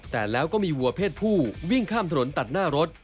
แต่แล้วก็มีวัวเพศผู้วิ่งข้ามถนนตัดหน้ารถ